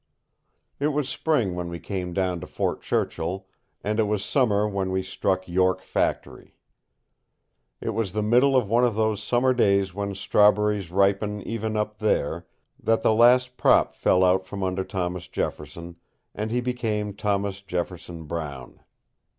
III It was spring when we came down to Fort Churchill, and it was summer when we struck York Factory. It was the middle of one of those summer days when strawberries ripen even up there, that the last prop fell out from under Thomas Jefferson, and he became Thomas Jefferson Brown.